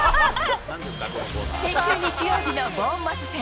先週日曜日のボーンマス戦。